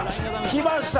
きました！